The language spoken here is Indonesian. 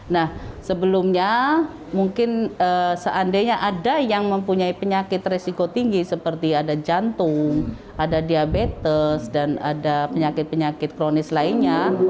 nah sebelumnya mungkin seandainya ada yang mempunyai penyakit resiko tinggi seperti ada jantung ada diabetes dan ada penyakit penyakit kronis lainnya